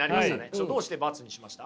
どうして×にしました？